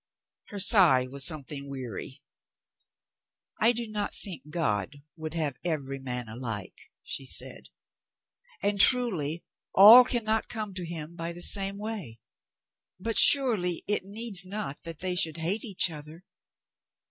Her sigh was something weary. "I do not think God would have every man alike," she said. "And, truly, all can not come to Him by the same way. ... But, surely, it needs not that they should hate each other?"